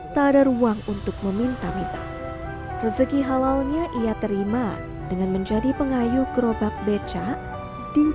tak ada ruang untuk meminta minta rezeki halalnya ia terima dengan menjadi pengayuh gerobak becak di